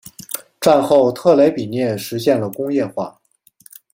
战后特雷比涅实现了工业化。